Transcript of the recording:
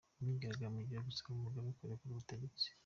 Imyigaragambyo yo gusaba Mugabe kurekura ubutegetsi.